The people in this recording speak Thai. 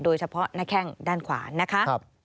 โดยเฉพาะหน้าแข้งด้านขวานะคะ